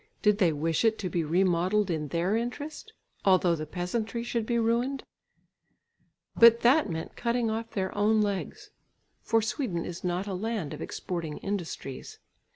Did they wish it to be remodelled in their interest, although the peasantry should be ruined? But that meant cutting off their own legs, for Sweden is not a land of exporting industries.